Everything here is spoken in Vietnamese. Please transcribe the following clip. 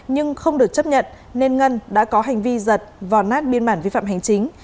nhưng không được chấp nhận nên ngân đã có hành vi giật vào nát biên bản vi phạm hành chính